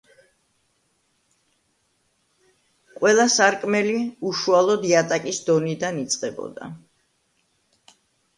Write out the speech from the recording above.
ყველა სარკმელი უშუალოდ იატაკის დონიდან იწყებოდა.